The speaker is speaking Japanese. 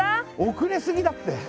遅れ過ぎだって。